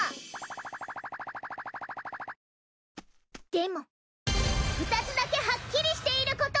でも２つだけはっきりしていることがある！